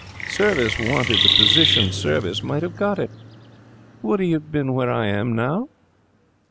Service wanted the position; Service might have got it. Would he have been where I am now?